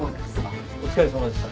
お疲れさまでした。